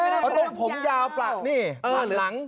ตักผมยาวปากนี่หลัง